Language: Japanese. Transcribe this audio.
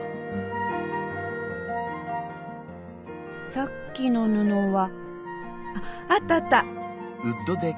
さっきの布はあったあった！